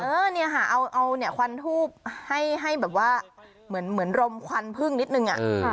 เออเนี่ยค่ะเอาควันทูบให้เหมือนรมควันพึ่งนิดนึง